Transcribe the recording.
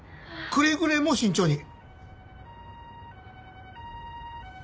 くれぐれも慎重に。